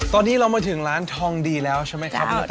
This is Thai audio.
ตอนนี้เรามาถึงร้านทองดีแล้วใช่ไหมครับน้องตายครับผม